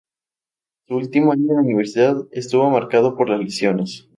Su último año en la Universidad estuvo marcado por las lesiones.